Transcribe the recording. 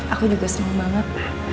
aku juga seneng banget